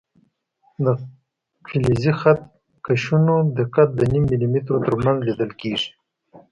د فلزي خط کشونو دقت د نیم ملي مترو تر منځ لیدل کېږي.